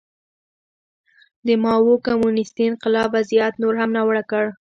د ماوو کمونېستي انقلاب وضعیت نور هم ناوړه کړ.